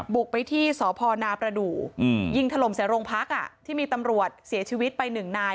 บุกไปที่สพนประดูกยิงถล่มใส่โรงพักที่มีตำรวจเสียชีวิตไปหนึ่งนาย